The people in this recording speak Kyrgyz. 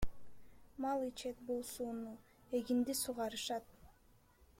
Мал ичет бул сууну, эгинди суугарышат.